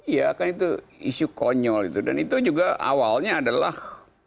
iya kan itu isu konyol itu dan itu juga awalnya adalah